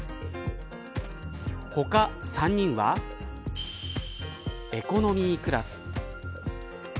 他３人はエコノミークラス。